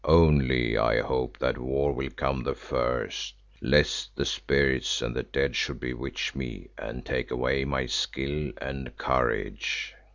Only I hope that war will come the first, lest the Spirits and the dead should bewitch me and take away my skill and courage."